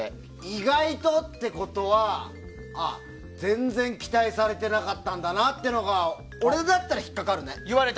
意外とってことは全然期待されてなかったんだなっていうのが俺だったら引っかかるね。